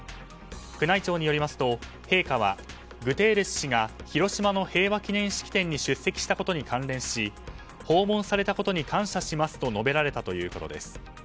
宮内庁によりますと陛下はグテーレス氏が広島の平和記念式典に出席したことに関連し訪問されたことに感謝しますと述べられたということです。